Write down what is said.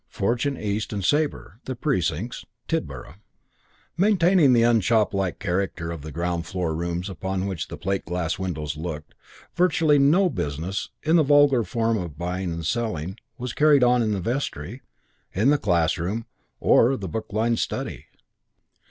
Fortune, East and Sabre, The Precincts, Tidborough. II Maintaining the unshoplike character of the ground floor rooms upon which the plate glass windows looked, virtually no business, in the vulgar form of buying and selling, was carried on in the vestry, in the classroom or in the book lined study.